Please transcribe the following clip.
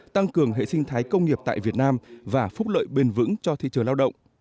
tăng cường hệ sinh thái công nghiệp tại việt nam và phúc lợi bền vững cho thị trường lao động